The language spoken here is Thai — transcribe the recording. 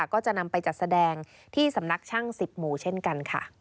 ก็จะนำไปจัดแสดงที่สำนักช่าง๑๐หมู่เช่นกันค่ะ